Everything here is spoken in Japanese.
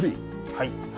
はい。